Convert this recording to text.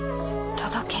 届け。